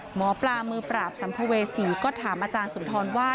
หมอปลามือปราบสัมภเวษีก็ถามอาจารย์สุนทรว่า